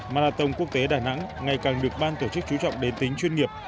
marathon quốc tế đà nẵng ngày càng được ban tổ chức chú trọng đến tính chuyên nghiệp